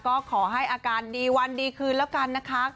ก็ขอให้อาการดีวันดีคืนแล้วกันนะคะ